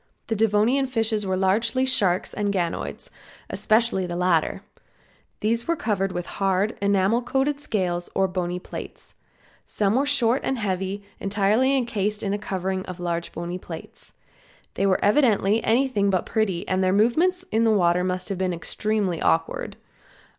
The Devonian fishes were largely sharks and ganoids, especially the latter. These were covered, with hard, enamel coated scales or bony plates. Some were short and heavy and entirely encased in a covering of large bony plates. They were evidently anything but pretty and their movements in the water must have been extremely awkward.